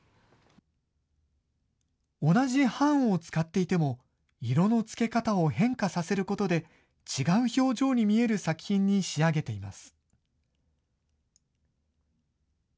同じ版を使っていても、色の付け方を変化させることで、違う表情に見える作品に仕上げています。